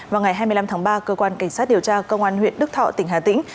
vào ngày hai mươi năm tháng ba cơ quan cảnh sát điều tra công an huyện đức thọ tỉnh hà tĩnh